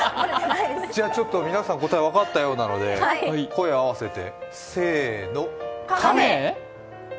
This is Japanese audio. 皆さん答えが分かったようなので、声を合わせて。